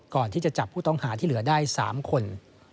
ก่อนที่จะจับผู้ต้องหาที่เหลือได้๓คน